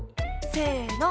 せの！